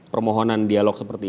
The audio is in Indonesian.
permohonan dialog seperti